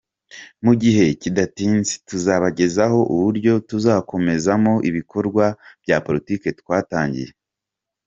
Mu gihe kidatinze tuzabagezaho uburyo tuzakomezamo ibikorwa bya politiki twatangiye.